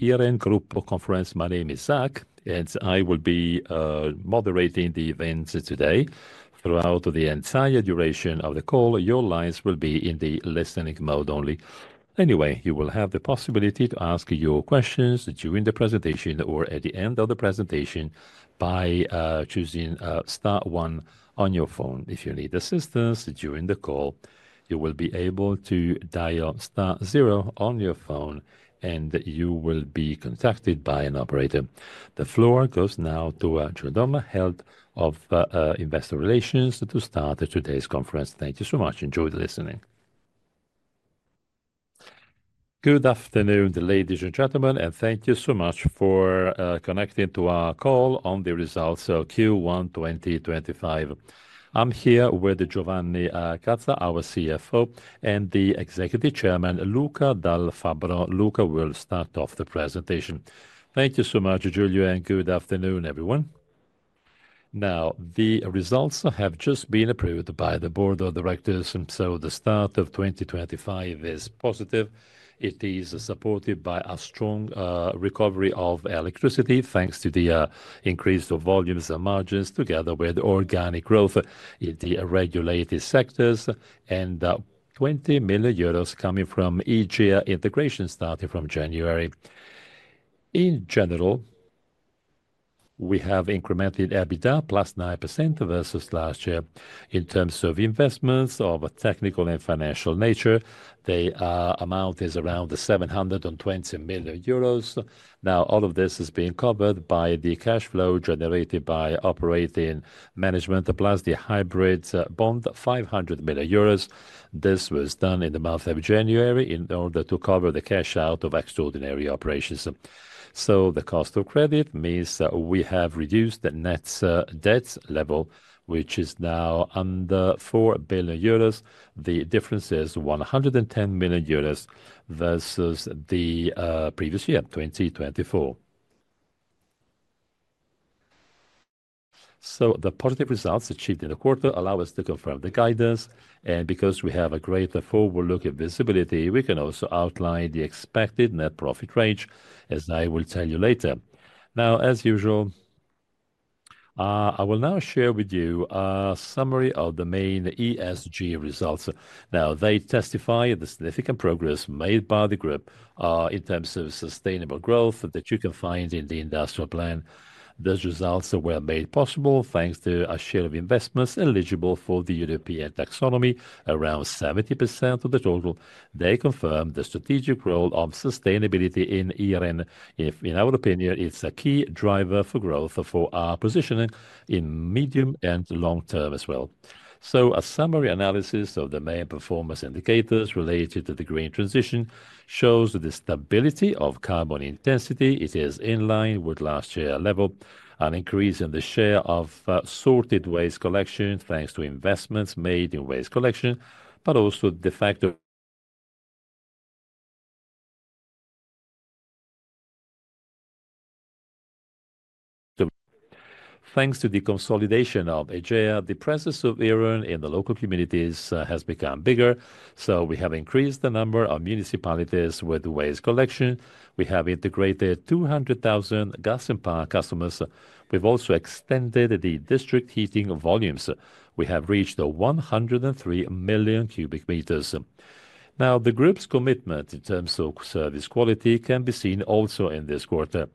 Iren Group conference, my name is Zak, and I will be moderating the events today. Throughout the entire duration of the call, your lines will be in listening mode only. Anyway, you will have the possibility to ask your questions during the presentation or at the end of the presentation by choosing Star 1 on your phone. If you need assistance during the call, you will be able to dial Star 0 on your phone, and you will be contacted by an operator. The floor goes now to Giulio Domma, Head of Investor Relations, to start today's conference. Thank you so much. Enjoy the listening. Good afternoon, ladies and gentlemen, and thank you so much for connecting to our call on the results of Q1 2025. I'm here with Giovanni Gazza, our CFO, and the Executive Chairman, Luca Dal Fabbro. Luca will start off the presentation. Thank you so much, Giulio, and good afternoon, everyone. Now, the results have just been approved by the Board of Directors, and the start of 2025 is positive. It is supported by a strong recovery of electricity, thanks to the increase of volumes and margins, together with organic growth in the regulated sectors, and 20 million euros coming from Egea integration starting from January. In general, we have incremented EBITDA plus 9% versus last year. In terms of investments of a technical and financial nature, the amount is around 720 million euros. All of this is being covered by the cash flow generated by operating management, plus the hybrid bond, 500 million euros. This was done in the month of January in order to cover the cash out of extraordinary operations. The cost of credit means we have reduced the net debt level, which is now under 4 billion euros. The difference is 110 million euros versus the previous year, 2024. The positive results achieved in the quarter allow us to confirm the guidance, and because we have a greater forward-looking visibility, we can also outline the expected net profit range, as I will tell you later. Now, as usual, I will now share with you a summary of the main ESG results. They testify to the significant progress made by the group in terms of sustainable growth that you can find in the industrial plan. Those results were made possible thanks to a share of investments eligible for the European Taxonomy, around 70% of the total. They confirm the strategic role of sustainability in Iren. If, in our opinion, it is a key driver for growth for our positioning in medium and long term as well. A summary analysis of the main performance indicators related to the green transition shows the stability of carbon intensity. It is in line with last year's level, an increase in the share of sorted waste collection thanks to investments made in waste collection, but also the factor. Thanks to the consolidation of Egea, the presence of Iren in the local communities has become bigger. We have increased the number of municipalities with waste collection. We have integrated 200,000 gas and power customers. We've also extended the district heating volumes. We have reached 103 million cubic meters. Now, the group's commitment in terms of service quality can be seen also in this quarter,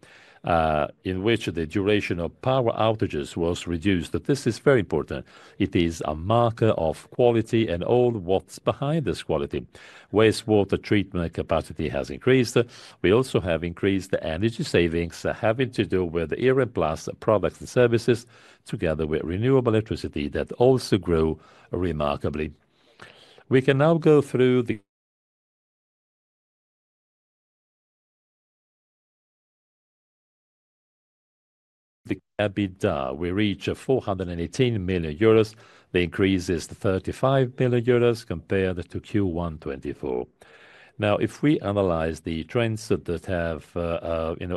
in which the duration of power outages was reduced. This is very important. It is a marker of quality and all what's behind this quality. Waste water treatment capacity has increased. We also have increased energy savings, having to do with Iren Plus products and services, together with renewable electricity that also grew remarkably. We can now go through the EBITDA. We reach 418 million euros. The increase is 35 million euros compared to Q1 2024. Now, if we analyze the trends that have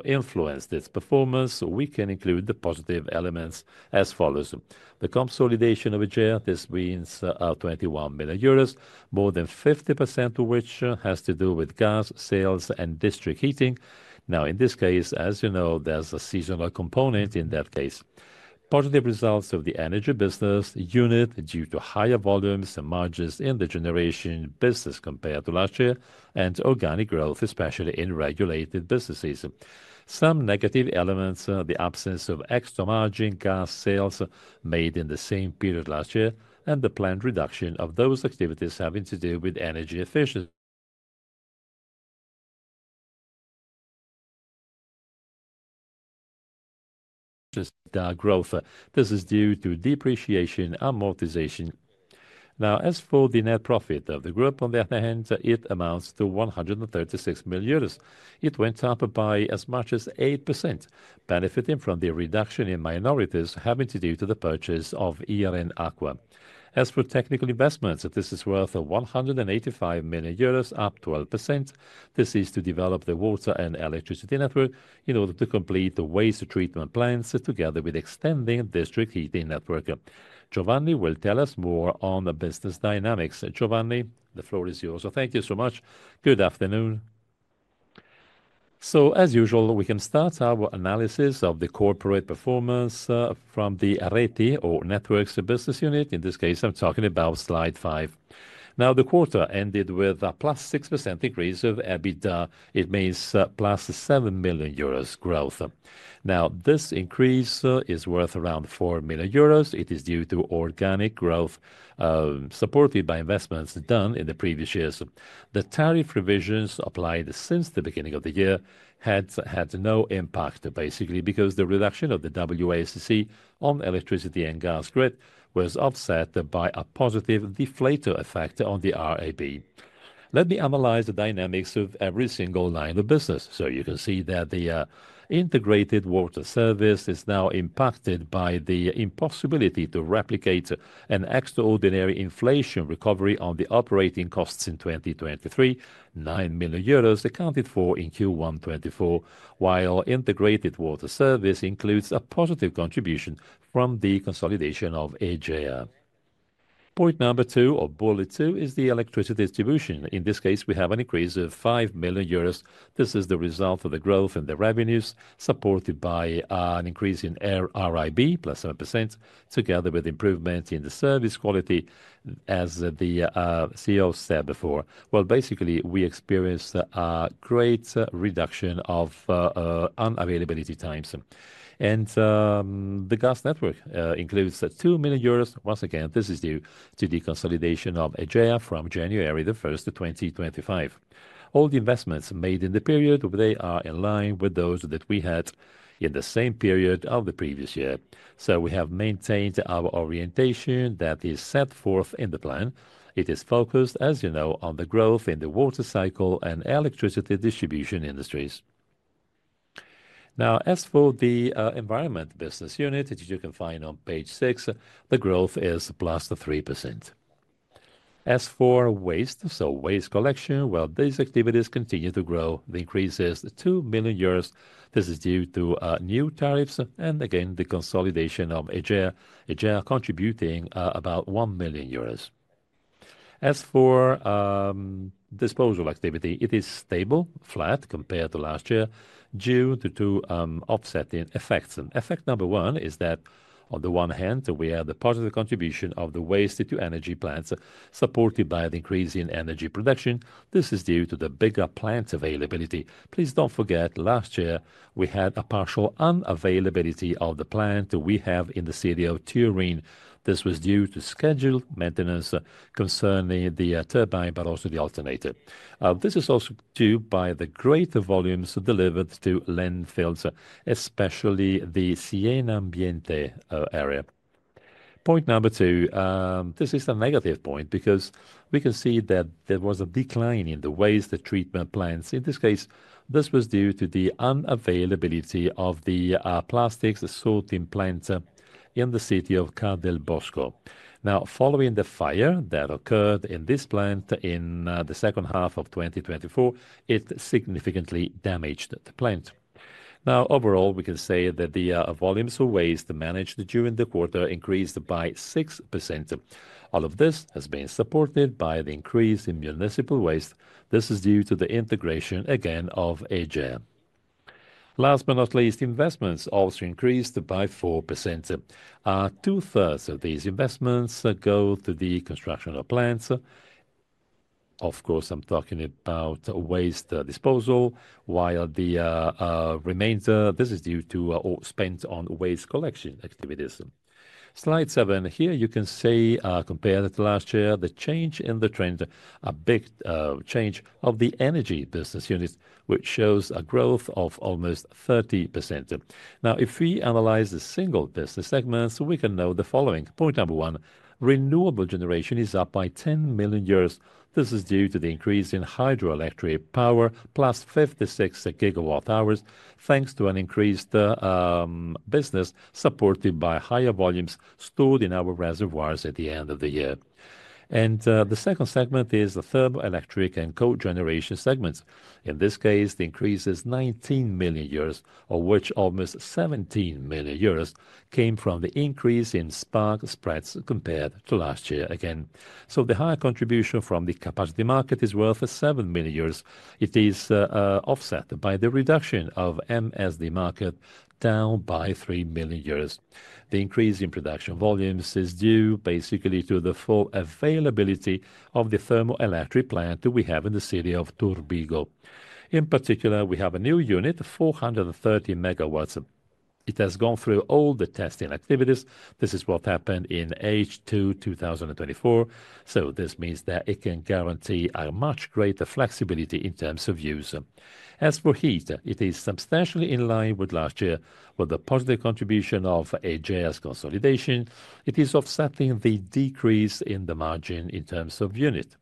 influenced its performance, we can include the positive elements as follows. The consolidation of Egea, this means 21 million euros, more than 50% of which has to do with gas sales and district heating. Now, in this case, as you know, there's a seasonal component in that case. Positive results of the energy business unit due to higher volumes and margins in the generation business compared to last year and organic growth, especially in regulated businesses. Some negative elements: the absence of extra margin gas sales made in the same period last year and the planned reduction of those activities having to do with energy efficiency. This is due to depreciation and amortization. Now, as for the net profit of the group, on the other hand, it amounts to 136 million euros. It went up by as much as 8%, benefiting from the reduction in minorities having to do with the purchase of Iren Acqua. As for technical investments, this is worth 185 million euros, up 12%. This is to develop the water and electricity network in order to complete the waste treatment plans, together with extending the district heating network. Giovanni will tell us more on business dynamics. Giovanni, the floor is yours. Thank you so much. Good afternoon. As usual, we can start our analysis of the corporate performance from the IRETI, or networks business unit. In this case, I'm talking about slide five. Now, the quarter ended with a plus 6% increase of EBITDA. It means plus 7 million euros growth. Now, this increase is worth around 4 million euros. It is due to organic growth supported by investments done in the previous years. The tariff revisions applied since the beginning of the year had had no impact, basically, because the reduction of the WACC on electricity and gas grid was offset by a positive deflator effect on the RAB. Let me analyze the dynamics of every single line of business. You can see that the integrated water service is now impacted by the impossibility to replicate an extraordinary inflation recovery on the operating costs in 2023, 9 million euros accounted for in Q1 2024, while integrated water service includes a positive contribution from the consolidation of Egea. Point number two or bullet two is the electricity distribution. In this case, we have an increase of 5 million euros. This is the result of the growth in the revenues supported by an increase in RAB plus 7%, together with improvements in the service quality, as the CEO said before. Basically, we experienced a great reduction of unavailability times. The gas network includes 2 million euros. Once again, this is due to the consolidation of Egea from January 1, 2025. All the investments made in the period, they are in line with those that we had in the same period of the previous year. We have maintained our orientation that is set forth in the plan. It is focused, as you know, on the growth in the water cycle and electricity distribution industries. Now, as for the environment business unit, as you can find on page six, the growth is plus 3%. As for waste, so waste collection, these activities continue to grow. The increase is 2 million euros. This is due to new tariffs and, again, the consolidation of Egea, Egea contributing about 1 million euros. As for disposal activity, it is stable, flat compared to last year, due to two offsetting effects. Effect number one is that, on the one hand, we have the positive contribution of the waste-to-energy plants supported by the increase in energy production. This is due to the bigger plant availability. Please do not forget, last year we had a partial unavailability of the plant we have in the city of Turin. This was due to scheduled maintenance concerning the turbine, but also the alternator. This is also due to the greater volumes delivered to landfills, especially the Siena Ambiente area. Point number two, this is a negative point because we can see that there was a decline in the waste treatment plants. In this case, this was due to the unavailability of the plastics sorting plant in the city of Cadelbosco. Now, following the fire that occurred in this plant in the second half of 2024, it significantly damaged the plant. Now, overall, we can say that the volumes of waste managed during the quarter increased by 6%. All of this has been supported by the increase in municipal waste. This is due to the integration, again, of Egea. Last but not least, investments also increased by 4%. 2/3 of these investments go to the construction of plants. Of course, I'm talking about waste disposal, while the remainder, this is due to all spent on waste collection activities. Slide seven, here you can see, compared to last year, the change in the trend, a big change of the energy business unit, which shows a growth of almost 30%. Now, if we analyze the single business segments, we can note the following. Point number one, renewable generation is up by 10 million. This is due to the increase in hydroelectric power, +56 GWh, thanks to an increased business supported by higher volumes stored in our reservoirs at the end of the year. The second segment is the thermal electric and cogeneration segments. In this case, the increase is 19 million euros, of which almost 17 million euros came from the increase in spark spreads compared to last year. Again, the higher contribution from the Capacity Market is worth 7 million euros. It is offset by the reduction of the MSD market, down by 3 million euros. The increase in production volumes is due basically to the full availability of the thermal electric plant we have in the city of Turbigo. In particular, we have a new unit, 430 MW. It has gone through all the testing activities. This is what happened in the H2 2024. This means that it can guarantee a much greater flexibility in terms of use. As for heat, it is substantially in line with last year. With the positive contribution of Egea's consolidation, it is offsetting the decrease in the margin in terms of unit.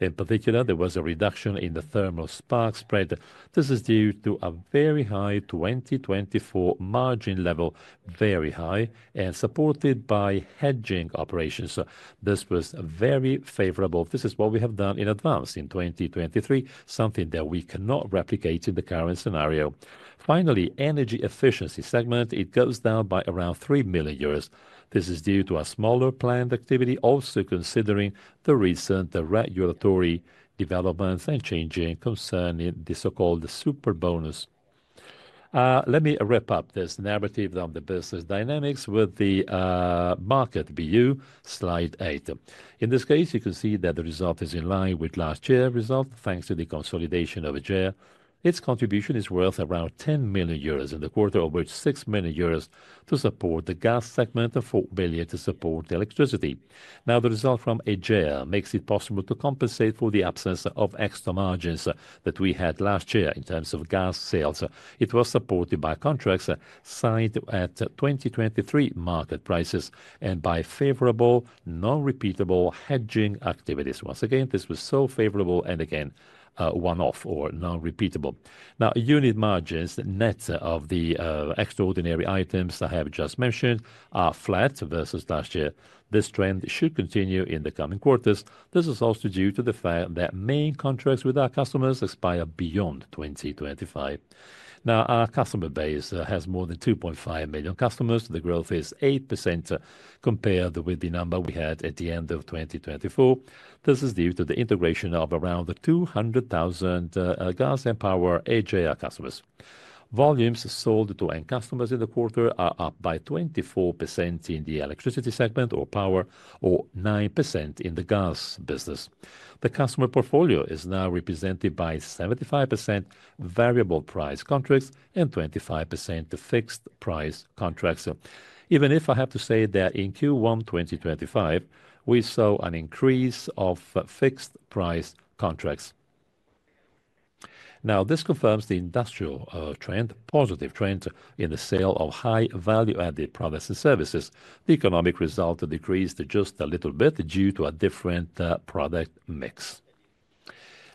In particular, there was a reduction in the thermal spark spread. This is due to a very high 2024 margin level, very high, and supported by hedging operations. This was very favorable. This is what we have done in advance in 2023, something that we cannot replicate in the current scenario. Finally, the energy efficiency segment, it goes down by around 3 million euros. This is due to a smaller planned activity, also considering the recent regulatory developments and changing concerning the so-called superbonus. Let me wrap up this narrative of the business dynamics with the market BU slide eight. In this case, you can see that the result is in line with last year's result, thanks to the consolidation of Egea. Its contribution is worth around 10 million euros in the quarter, of which 6 million euros to support the gas segment and 4 million to support electricity. Now, the result from Egea makes it possible to compensate for the absence of extra margins that we had last year in terms of gas sales. It was supported by contracts signed at 2023 market prices and by favorable, non-repeatable hedging activities. Once again, this was so favorable and again one-off or non-repeatable. Now, unit margins, net of the extraordinary items I have just mentioned, are flat versus last year. This trend should continue in the coming quarters. This is also due to the fact that main contracts with our customers expire beyond 2025. Now, our customer base has more than 2.5 million customers. The growth is 8% compared with the number we had at the end of 2024. This is due to the integration of around 200,000 gas and power Egea customers. Volumes sold to end customers in the quarter are up by 24% in the electricity segment or power or 9% in the gas business. The customer portfolio is now represented by 75% variable price contracts and 25% fixed price contracts. Even if I have to say that in Q1 2025, we saw an increase of fixed price contracts. Now, this confirms the industrial trend, positive trend in the sale of high value-added products and services. The economic result decreased just a little bit due to a different product mix.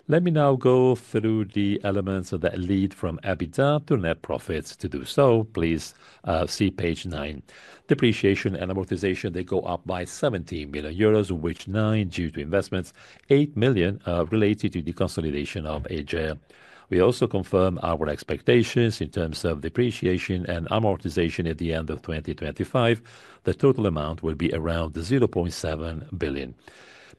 Let me now go through the elements that lead from EBITDA to net profits to do so. Please see page nine. Depreciation and amortization, they go up by 17 million euros, of which 9 million due to investments, 8 million related to the consolidation of Egea. We also confirm our expectations in terms of depreciation and amortization at the end of 2025. The total amount will be around 0.7 billion.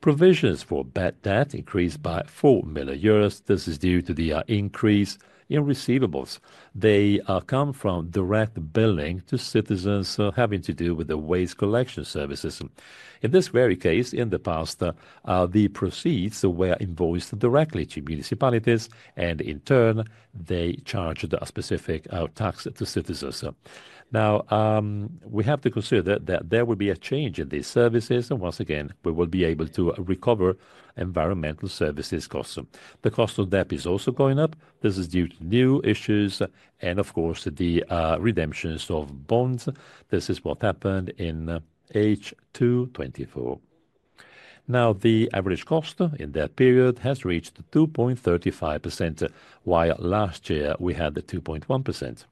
Provisions for bad debt increased by 4 million euros. This is due to the increase in receivables. They come from direct billing to citizens having to do with the waste collection services. In this very case, in the past, the proceeds were invoiced directly to municipalities and in turn, they charged a specific tax to citizens. Now, we have to consider that there will be a change in these services and once again, we will be able to recover environmental services costs. The cost of debt is also going up. This is due to new issues and, of course, the redemptions of bonds. This is what happened in H2 2024. Now, the average cost in that period has reached 2.35%, while last year we had 2.1%.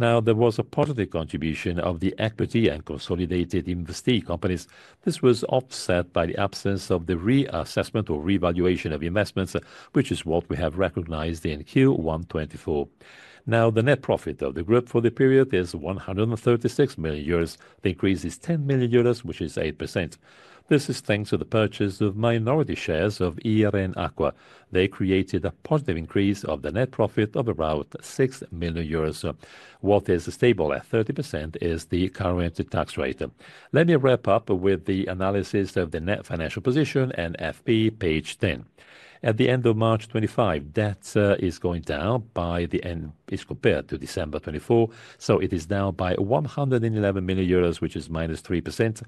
Now, there was a positive contribution of the equity and consolidated investing companies. This was offset by the absence of the reassessment or revaluation of investments, which is what we have recognized in Q1 2024. Now, the net profit of the group for the period is 136 million euros. The increase is 10 million euros, which is 8%. This is thanks to the purchase of minority shares of Iren Acqua. They created a positive increase of the net profit of around 6 million euros. What is stable at 30% is the current tax rate. Let me wrap up with the analysis of the net financial position and NFP, page 10. At the end of March 2025, debt is going down by the end as compared to December 2024. It is down by 111 million euros, which is -3%.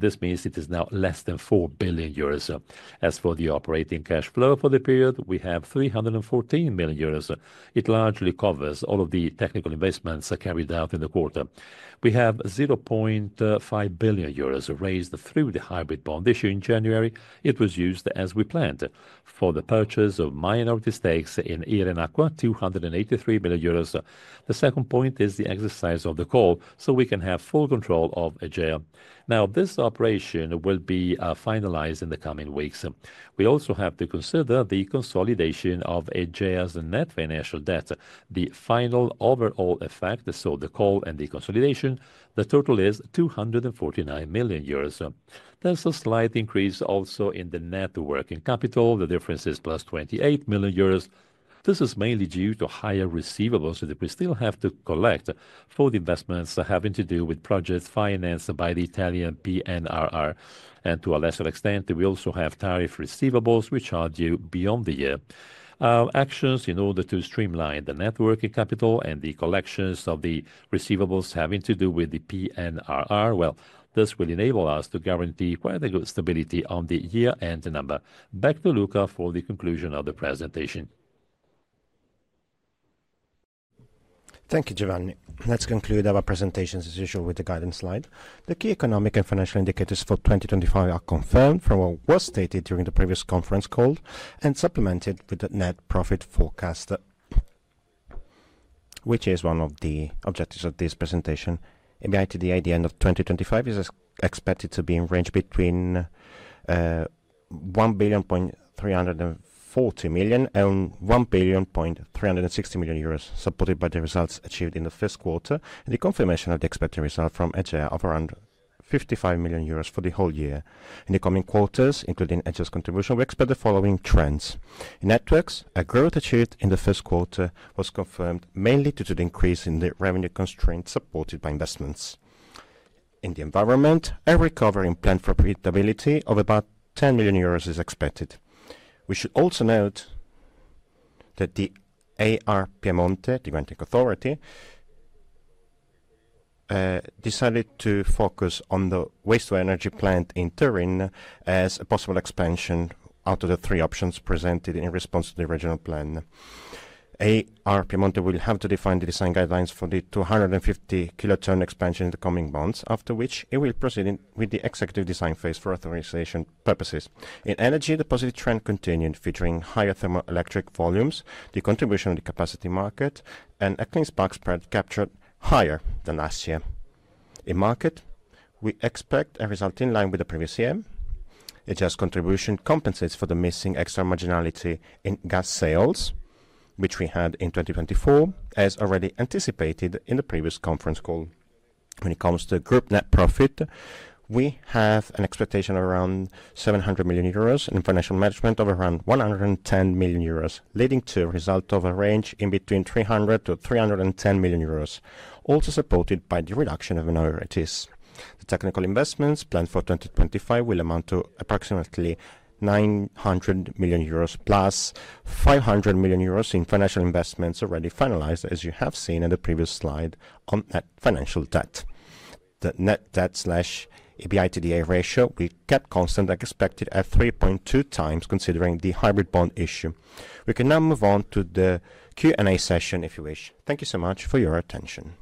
This means it is now less than 4 billion euros. As for the operating cash flow for the period, we have 314 million euros. It largely covers all of the technical investments carried out in the quarter. We have 500 million euros raised through the hybrid bond issue in January. It was used as we planned for the purchase of minority stakes in Iren Acqua, 283 million euros. The second point is the exercise of the call, so we can have full control of Egea. Now, this operation will be finalized in the coming weeks. We also have to consider the consolidation of Egea's net financial debt, the final overall effect, so the call and the consolidation. The total is 249 million euros. There's a slight increase also in the net working capital. The difference is plus 28 million euros. This is mainly due to higher receivables that we still have to collect for the investments having to do with project finance by the Italian PNRR. To a lesser extent, we also have tariff receivables, which are due beyond the year. Actions in order to streamline the net working capital and the collections of the receivables having to do with the PNRR, this will enable us to guarantee quite a good stability on the year-end number. Back to Luca for the conclusion of the presentation. Thank you, Giovanni. Let's conclude our presentation as usual with the guidance slide. The key economic and financial indicators for 2025 are confirmed from what was stated during the previous conference call and supplemented with the net profit forecast, which is one of the objectives of this presentation. EBITDA at the end of 2025 is expected to be in the range between 1,340,000,000 billion and 1,360,000,000 billion, supported by the results achieved in the first quarter and the confirmation of the expected result from Egea of around 55 million euros for the whole year. In the coming quarters, including Egea's contribution, we expect the following trends. Networks, a growth achieved in the first quarter, was confirmed mainly due to the increase in the revenue constraints supported by investments. In the environment, a recovery in planned profitability of about 10 million euros is expected. We should also note that the AR Piemonte, the granting authority, decided to focus on the waste-to-energy plant in Turin as a possible expansion out of the three options presented in response to the regional plan. AR Piemonte will have to define the design guidelines for the 250 Kton expansion in the coming months, after which it will proceed with the executive design phase for authorization purposes. In energy, the positive trend continued, featuring higher thermoelectric volumes, the contribution of the capacity market, and a clean spark spread captured higher than last year. In market, we expect a result in line with the previous year. Egea's contribution compensates for the missing extra marginality in gas sales, which we had in 2024, as already anticipated in the previous conference call. When it comes to group net profit, we have an expectation of around 700 million euros and financial management of around 110 million euros, leading to a result of a range in between 300 million-310 million euros, also supported by the reduction of minorities. The technical investments planned for 2025 will amount to approximately 900 million euros plus 500 million euros in financial investments already finalized, as you have seen in the previous slide on net financial debt. The net debt/EBITDA ratio will cap constant expected at 3.2x, considering the hybrid bond issue. We can now move on to the Q&A session if you wish. Thank you so much for your attention.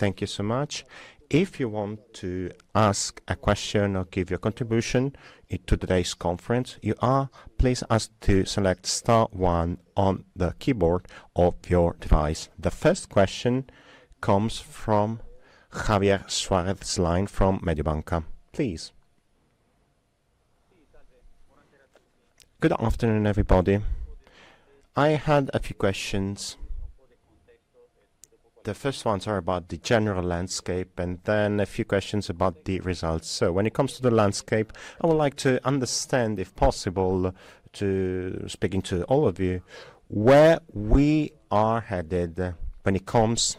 Thank you so much. If you want to ask a question or give your contribution to today's conference, you are please asked to select star one on the keyboard of your device. The first question comes from Javier Suárez's line from Mediobanca. Please. Good afternoon, everybody. I had a few questions. The first ones are about the general landscape and then a few questions about the results. When it comes to the landscape, I would like to understand, if possible, to speaking to all of you, where we are headed when it comes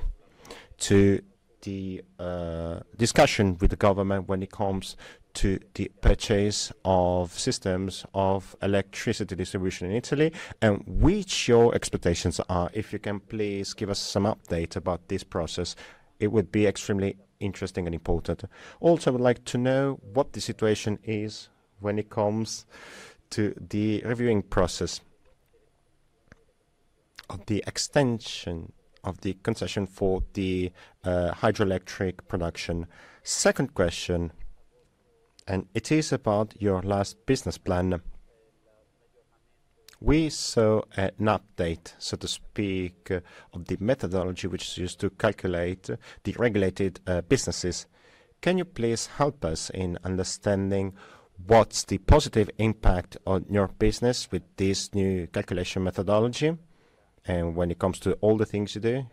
to the discussion with the government when it comes to the purchase of systems of electricity distribution in Italy and what your expectations are. If you can please give us some update about this process, it would be extremely interesting and important. Also, I would like to know what the situation is when it comes to the reviewing process of the extension of the concession for the hydroelectric production. Second question, and it is about your last business plan. We saw an update, so to speak, of the methodology which is used to calculate the regulated businesses. Can you please help us in understanding what's the positive impact on your business with this new calculation methodology and when it comes to all the things you do?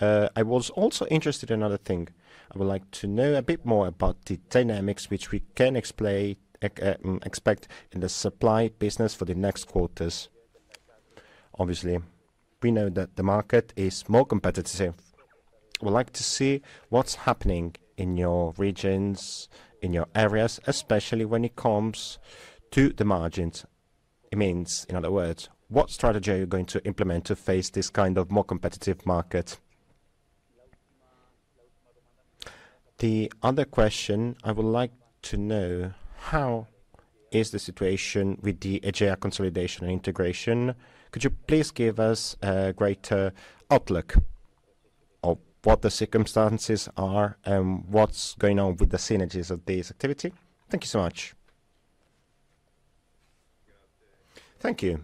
I was also interested in another thing. I would like to know a bit more about the dynamics which we can expect in the supply business for the next quarters. Obviously, we know that the market is more competitive. I would like to see what's happening in your regions, in your areas, especially when it comes to the margins. It means, in other words, what strategy are you going to implement to face this kind of more competitive market? The other question, I would like to know how is the situation with the Egea consolidation and integration. Could you please give us a greater outlook of what the circumstances are and what's going on with the synergies of this activity? Thank you so much. Thank you.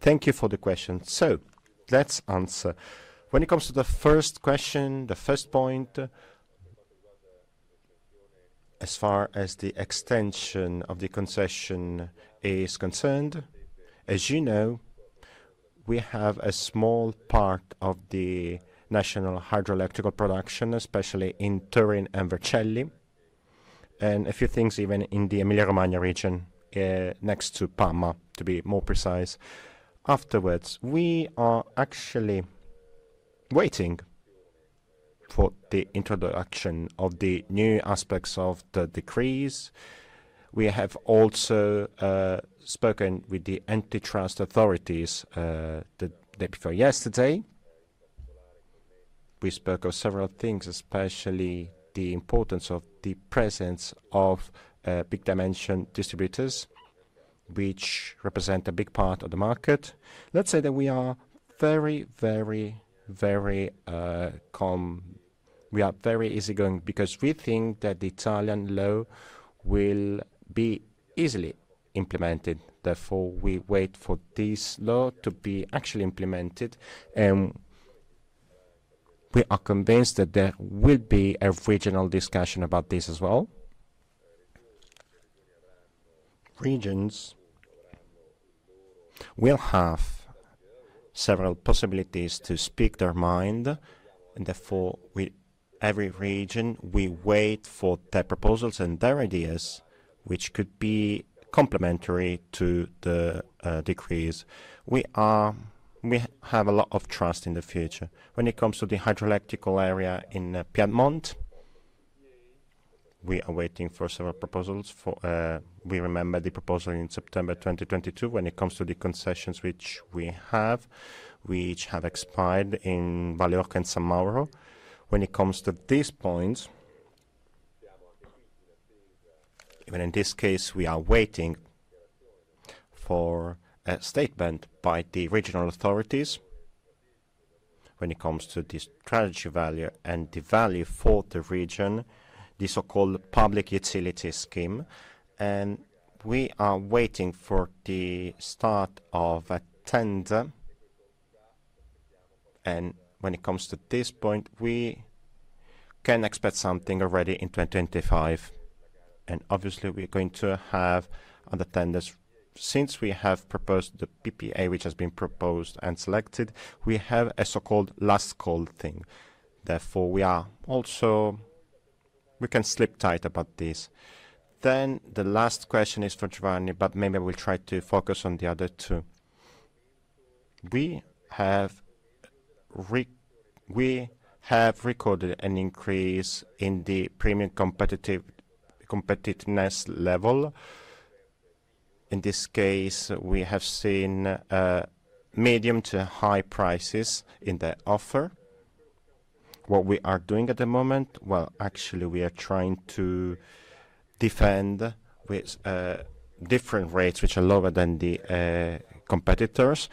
Thank you for the question. Let's answer. When it comes to the first question, the first point, as far as the extension of the concession is concerned, as you know, we have a small part of the national hydroelectric production, especially in Turin and Vercelli, and a few things even in the Emilia-Romagna region next to Parma, to be more precise. Afterwards, we are actually waiting for the introduction of the new aspects of the decrease. We have also spoken with the antitrust authorities the day before yesterday. We spoke of several things, especially the importance of the presence of big-dimension distributors, which represent a big part of the market. Let's say that we are very, very, very calm. We are very easygoing because we think that the Italian law will be easily implemented. Therefore, we wait for this law to be actually implemented. We are convinced that there will be a regional discussion about this as well. Regions will have several possibilities to speak their mind. Therefore, with every region, we wait for their proposals and their ideas, which could be complementary to the decrease. We have a lot of trust in the future. When it comes to the hydroelectric area in Piedmont, we are waiting for several proposals. We remember the proposal in September 2022 when it comes to the concessions which we have, which have expired in Val d'Orcia and San Mauro. When it comes to these points, even in this case, we are waiting for a statement by the regional authorities when it comes to the strategy value and the value for the region, the so-called public utility scheme. We are waiting for the start of a tender. When it comes to this point, we can expect something already in 2025. Obviously, we are going to have under tenders. Since we have proposed the PPA, which has been proposed and selected, we have a so-called last call thing. Therefore, we can sleep tight about this. The last question is for Giovanni, but maybe we'll try to focus on the other two. We have recorded an increase in the premium competitiveness level. In this case, we have seen medium to high prices in the offer. What we are doing at the moment, actually, we are trying to defend with different rates, which are lower than the competitors,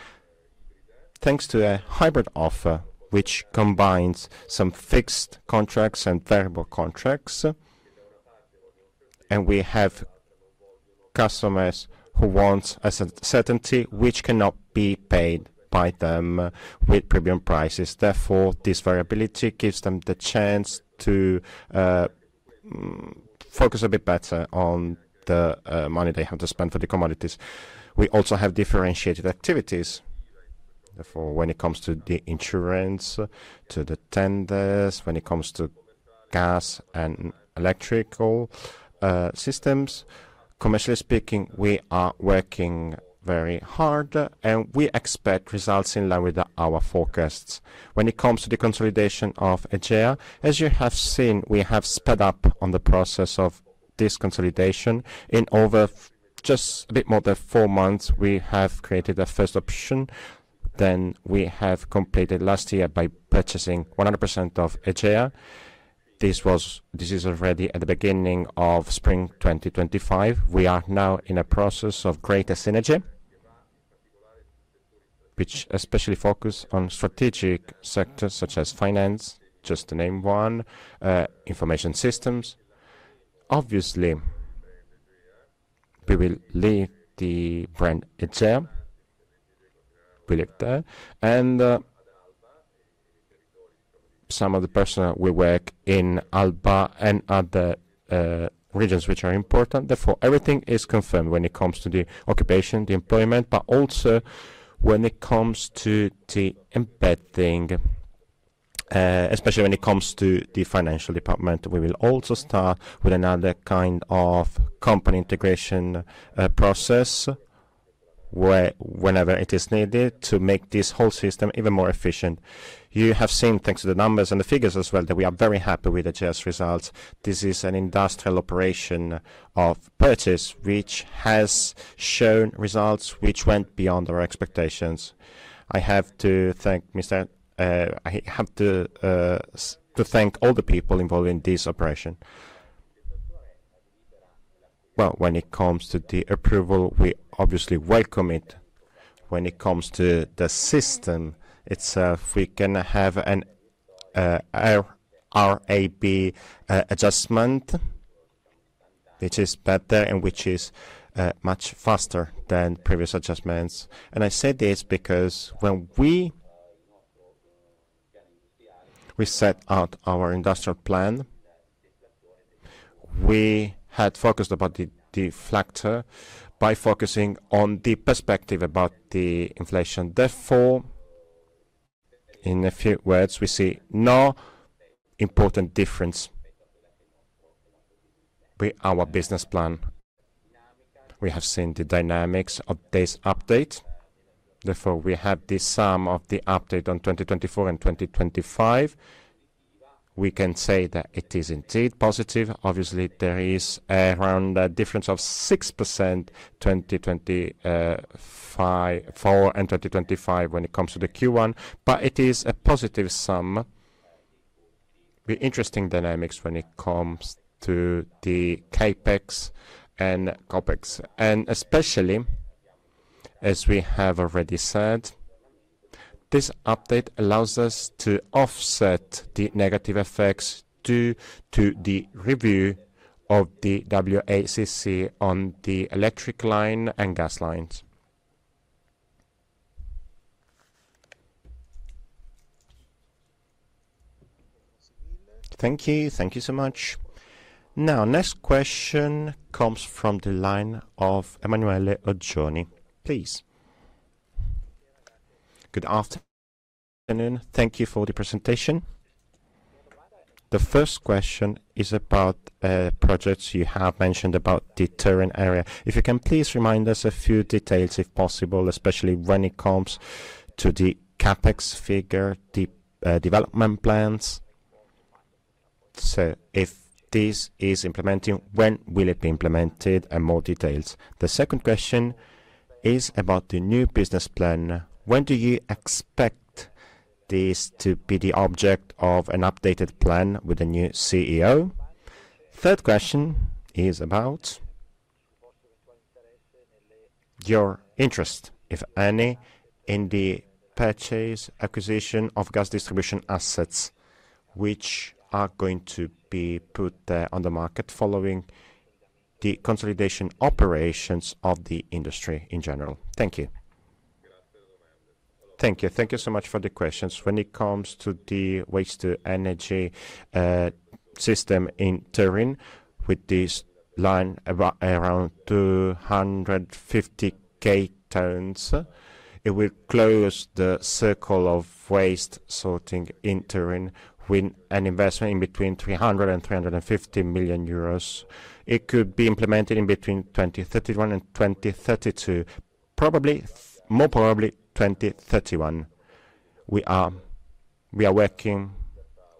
thanks to a hybrid offer, which combines some fixed contracts and variable contracts. We have customers who want a certainty, which cannot be paid by them with premium prices. Therefore, this variability gives them the chance to focus a bit better on the money they have to spend for the commodities. We also have differentiated activities. Therefore, when it comes to the insurance, to the tenders, when it comes to gas and electrical systems, commercially speaking, we are working very hard and we expect results in line with our forecasts. When it comes to the consolidation of Egea, as you have seen, we have sped up on the process of this consolidation. In over just a bit more than four months, we have created a first option. Then we have completed last year by purchasing 100% of Egea. This is already at the beginning of spring 2025. We are now in a process of greater synergy, which especially focuses on strategic sectors such as finance, just to name one, information systems. Obviously, we will leave the brand Egea. We leave that. Some of the personnel will work in Alba and other regions, which are important. Therefore, everything is confirmed when it comes to the occupation, the employment, but also when it comes to the embedding, especially when it comes to the financial department. We will also start with another kind of company integration process whenever it is needed to make this whole system even more efficient. You have seen, thanks to the numbers and the figures as well, that we are very happy with Egea's results. This is an industrial operation of purchase, which has shown results which went beyond our expectations. I have to thank all the people involved in this operation. When it comes to the approval, we obviously welcome it. When it comes to the system itself, we can have an RAB adjustment, which is better and which is much faster than previous adjustments. I say this because when we set out our industrial plan, we had focused about the factor by focusing on the perspective about the inflation. Therefore, in a few words, we see no important difference with our business plan. We have seen the dynamics of this update. Therefore, we have the sum of the update on 2024 and 2025. We can say that it is indeed positive. Obviously, there is around a difference of 6% between 2024 and 2025 when it comes to the Q1, but it is a positive sum. The interesting dynamics when it comes to the CapEx and OpEx. Especially, as we have already said, this update allows us to offset the negative effects due to the review of the WACC on the electric line and gas lines. Thank you. Thank you so much. Now, next question comes from the line of Emanuele Oggioni. Please. Good afternoon. Thank you for the presentation. The first question is about projects you have mentioned about the Turin area. If you can, please remind us a few details if possible, especially when it comes to the CapEx figure, the development plans. If this is implementing, when will it be implemented and more details? The second question is about the new business plan. When do you expect this to be the object of an updated plan with a new CEO? Third question is about your interest, if any, in the purchase acquisition of gas distribution assets, which are going to be put on the market following the consolidation operations of the industry in general. Thank you. Thank you. Thank you so much for the questions. When it comes to the waste-to-energy system in Turin, with this line around 250 Ktons, it will close the circle of waste sorting in Turin with an investment in between 300 million euros and 350 million euros. It could be implemented in between 2031 and 2032, probably more probably 2031. We are working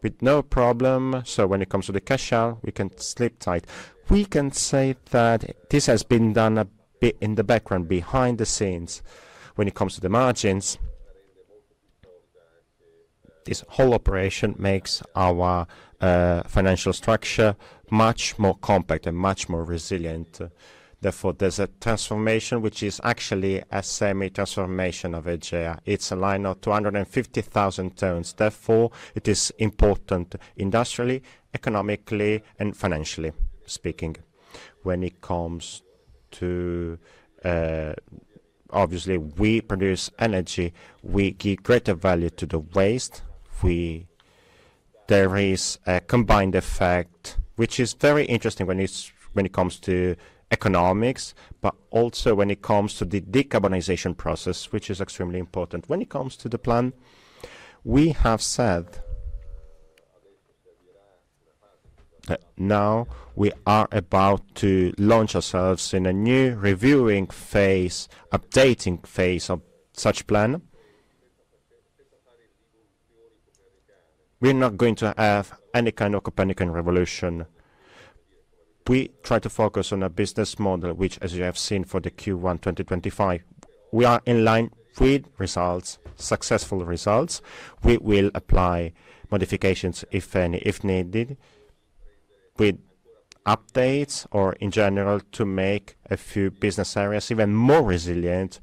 with no problem. When it comes to the cash out, we can sleep tight. We can say that this has been done a bit in the background, behind the scenes. When it comes to the margins, this whole operation makes our financial structure much more compact and much more resilient. Therefore, there is a transformation, which is actually a semi-transformation of Egea. It is a line of 250,000 tons. Therefore, it is important industrially, economically, and financially speaking. When it comes to, obviously, we produce energy, we give greater value to the waste. There is a combined effect, which is very interesting when it comes to economics, but also when it comes to the decarbonization process, which is extremely important. When it comes to the plan, we have said that now we are about to launch ourselves in a new reviewing phase, updating phase of such plan. We are not going to have any kind of Copernican revolution. We try to focus on a business model, which, as you have seen for the Q1 2025. We are in line with results, successful results. We will apply modifications, if any, if needed, with updates or in general to make a few business areas even more resilient.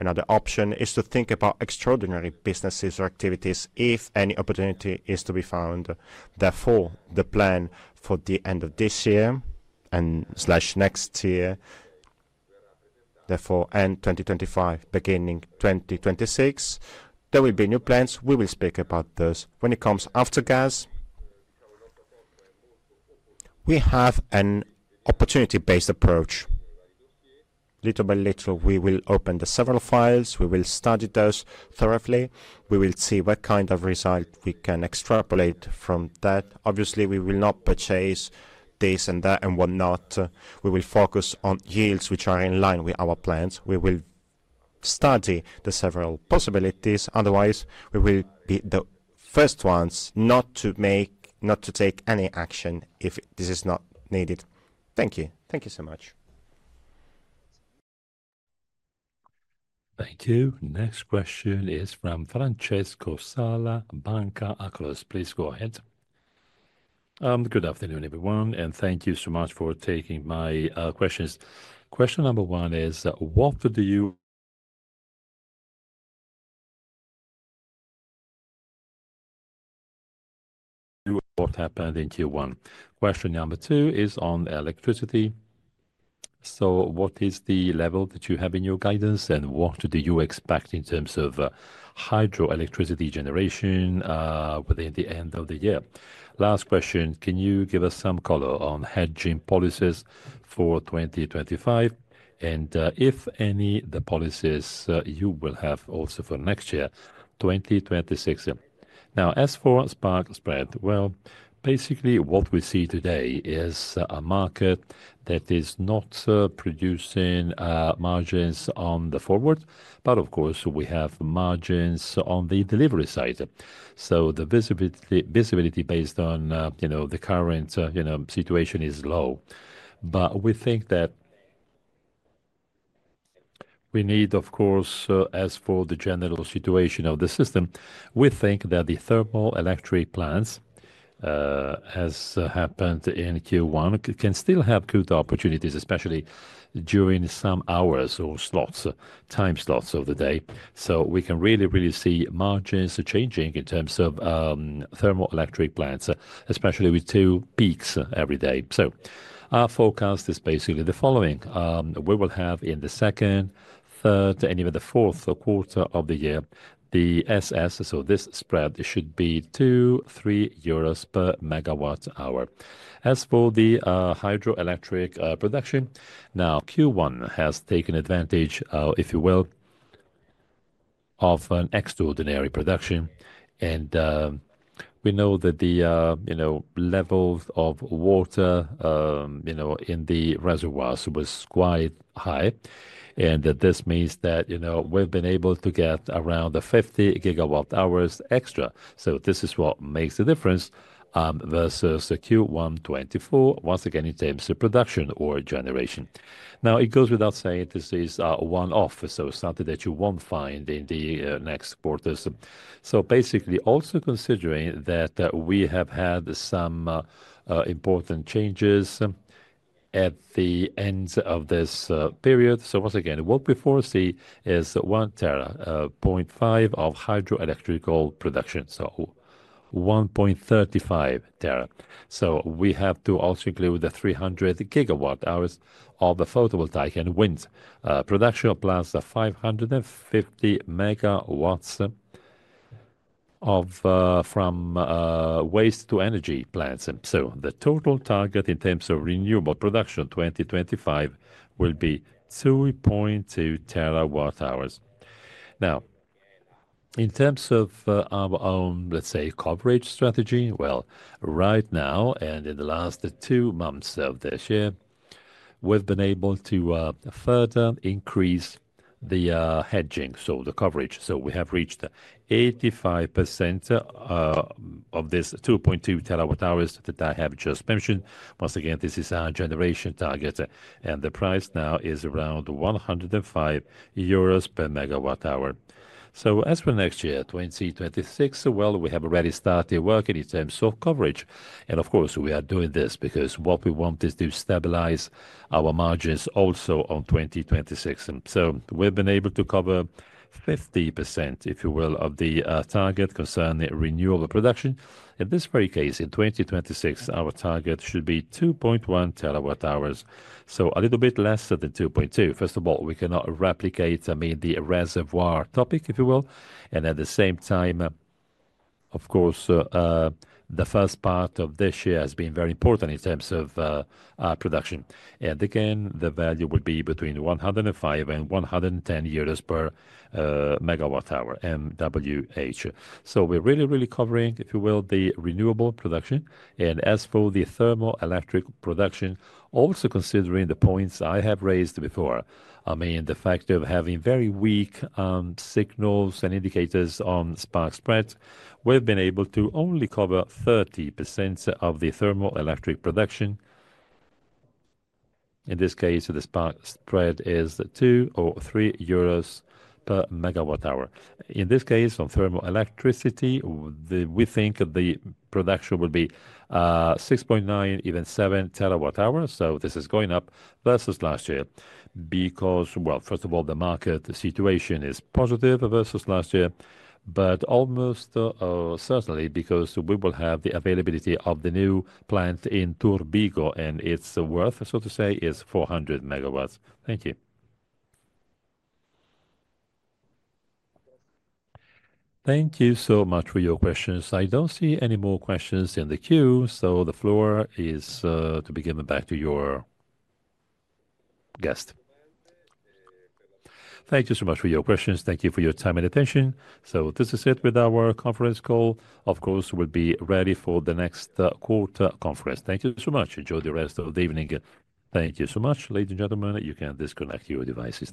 Another option is to think about extraordinary businesses or activities if any opportunity is to be found. Therefore, the plan for the end of this year and next year, therefore, and 2025, beginning 2026, there will be new plans. We will speak about those. When it comes after gas, we have an opportunity-based approach. Little by little, we will open the several files. We will study those thoroughly. We will see what kind of result we can extrapolate from that. Obviously, we will not purchase this and that and whatnot. We will focus on yields, which are in line with our plans. We will study the several possibilities. Otherwise, we will be the first ones not to take any action if this is not needed. Thank you. Thank you so much. Thank you. Next question is from Francesco Sala, Banca Akros. Please go ahead. Good afternoon, everyone, and thank you so much for taking my questions. Question number one is, what did you do? What happened in Q1? Question number two is on electricity. So what is the level that you have in your guidance, and what do you expect in terms of hydroelectricity generation within the end of the year? Last question, can you give us some color on hedging policies for 2025? And if any, the policies you will have also for next year, 2026. Now, as for spark spread, basically, what we see today is a market that is not producing margins on the forward, but of course, we have margins on the delivery side. The visibility based on the current situation is low. We think that we need, of course, as for the general situation of the system, we think that the thermal electric plants, as happened in Q1, can still have good opportunities, especially during some hours or time slots of the day. We can really, really see margins changing in terms of thermal electric plants, especially with two peaks every day. Our forecast is basically the following. We will have in the second, third, and even the fourth quarter of the year, the SS, so this spread should be 2-3 euros per MWh. As for the hydroelectric production, now Q1 has taken advantage, if you will, of an extraordinary production. We know that the levels of water in the reservoirs were quite high. This means that we have been able to get around 50 GWh extra. This is what makes the difference versus Q1 2024, once again, in terms of production or generation. It goes without saying, this is one-off, so it is something that you will not find in the next quarters. Basically, also considering that we have had some important changes at the end of this period. Once again, what we foresee is 1.5% of hydroelectric production, so 1.35%. We have to also include the 300 GWh of the photovoltaic and wind production of plants, 550 MW from waste-to-energy plants. The total target in terms of renewable production 2025 will be 2.2 TWh. Now, in terms of our own, let's say, coverage strategy, right now and in the last two months of this year, we've been able to further increase the hedging, so the coverage. We have reached 85% of this 2.2 TWh that I have just mentioned. Once again, this is our generation target, and the price now is around 105 euros per MWh. As for next year, 2026, we have already started working in terms of coverage. Of course, we are doing this because what we want is to stabilize our margins also on 2026. We've been able to cover 50% of the target concerning renewable production. In this very case, in 2026, our target should be 2.1 TWh, so a little bit less than 2.2. First of all, we cannot replicate, I mean, the reservoir topic, if you will. At the same time, of course, the first part of this year has been very important in terms of production. Again, the value will be between 105 and 110 euros per MWh, MWh. We are really, really covering, if you will, the renewable production. As for the thermal electric production, also considering the points I have raised before, I mean, the fact of having very weak signals and indicators on spark spread, we have been able to only cover 30% of the thermal electric production. In this case, the spark spread is 2-3 euros per MWh. In this case, on thermal electricity, we think the production will be 6.9, even 7 TWh. This is going up versus last year because, first of all, the market situation is positive versus last year, but almost certainly because we will have the availability of the new plant in Turbigo, and its worth, so to say, is 400 MW. Thank you. Thank you so much for your questions. I do not see any more questions in the queue, so the floor is to be given back to your guest. Thank you so much for your questions. Thank you for your time and attention. This is it with our conference call. Of course, we will be ready for the next quarter conference. Thank you so much. Enjoy the rest of the evening. Thank you so much. Ladies and gentlemen, you can disconnect your devices.